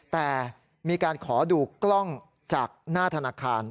แต่มีการขอดูกล้องจากหน้าธนาคาร